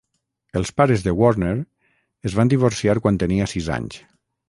Els pares de Warner es van divorciar quan tenia sis anys.